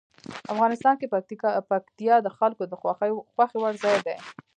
افغانستان کې پکتیا د خلکو د خوښې وړ ځای دی.